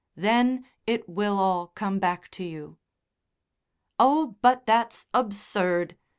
Then it will all come back to you." "Oh, but that's absurd!"